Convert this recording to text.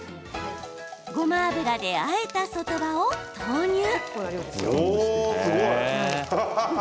ごま油であえた外葉を投入。